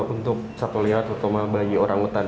untuk satwa liar terutama bagi orang utan